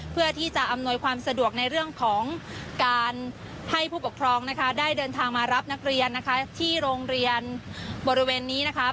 เพื่อที่จะอำนวยความสะดวกในเรื่องของการให้ผู้ปกครองนะคะได้เดินทางมารับนักเรียนนะคะที่โรงเรียนบริเวณนี้นะคะ